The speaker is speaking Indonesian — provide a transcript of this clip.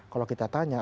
kalau kita tanya